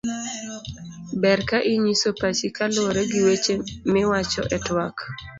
ber ka inyiso pachi kaluwore gi weche miwacho e twak